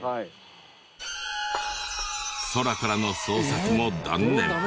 空からの捜索も断念。